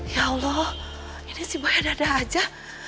ya allah ini si boy ada ada aja